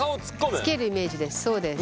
つけるイメージですそうです。